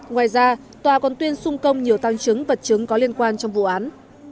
ngoài ra tòa còn tuyên sung công nhiều tăng chứng vật chứng có liên quan trong vụ án